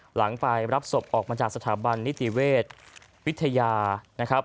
หลังไปรับศพออกมาจากสถาบันนิติเวชวิทยานะครับ